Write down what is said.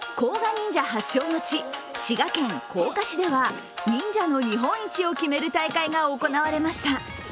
忍者発祥の地、滋賀県甲賀市で忍者の日本一を決める大会が行われました。